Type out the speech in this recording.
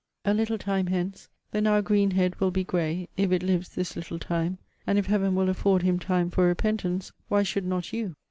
A little time hence, the now green head will be grey, if it lives this little time: and if Heaven will afford him time for repentance, why should not you?